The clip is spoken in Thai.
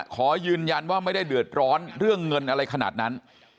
ขอยืนยันว่าไม่ได้เดือดร้อนเรื่องเงินอะไรขนาดนั้น